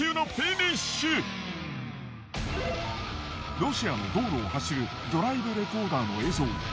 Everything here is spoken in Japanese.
ロシアの道路を走るドライブレコーダーの映像。